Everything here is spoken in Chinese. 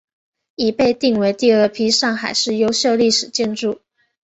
已被定为第二批上海市优秀历史建筑。